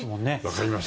分かります！